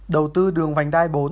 đầu tư đường vành đai bốn